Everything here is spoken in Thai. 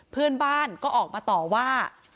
เพื่อนบ้านก็ออกมาต่อว่า